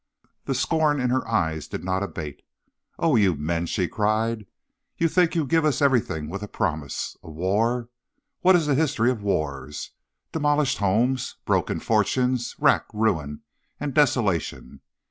"The scorn in her eyes did not abate. 'O you men!' she cried. 'You think you give us everything with a promise. A war! What is the history of wars? Demolished homes, broken fortunes, rack, ruin and desolation.